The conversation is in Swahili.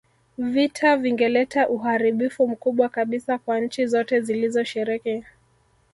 Vita vingeleta uharibifu mkubwa kabisa kwa nchi zote zilizoshiriki